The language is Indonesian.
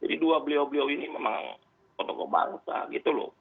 jadi dua beliau beliau ini memang kodok kodok bangsa gitu loh